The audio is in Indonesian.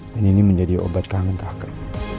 dan ini menjadi obat kangen kakak